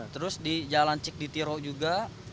terus di jalan cik di tiro juga